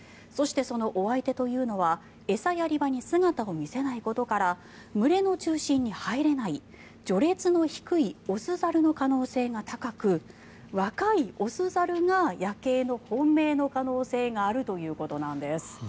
そして、そのお相手というのは餌やり場に姿を見せないことから群れの中心に入れない序列の低い雄猿の可能性が高く若い雄猿がヤケイの本命の可能性があるということなんです。